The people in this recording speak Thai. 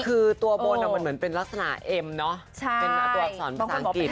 คือตัวบนมันเหมือนเป็นลักษณะเอ็มเนาะเป็นตัวอักษรภาษาอังกฤษ